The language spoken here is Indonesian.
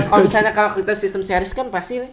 kalau misalnya kalau kita sistem series kan pasti